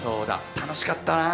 楽しかったなぁ。